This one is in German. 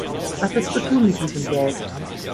Was ist zu tun mit diesem Geld?